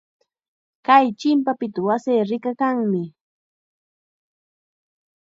Kay chimpapita wasii rikakanmi.